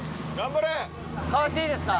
代わっていいですか？